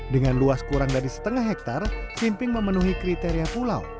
dengan luas kurang dari setengah hektare vimping memenuhi kriteria pulau